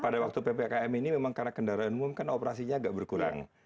pada waktu ppkm ini memang karena kendaraan umum kan operasinya agak berkurang